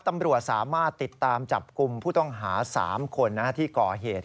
ตำรวจสามารถติดตามจับกลุ่มผู้ต้องหา๓คนที่ก่อเหตุ